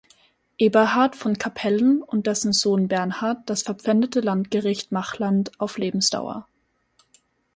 Eberhard von Kapellen und dessen Sohn Bernhard das verpfändete Landgericht Machland auf Lebensdauer.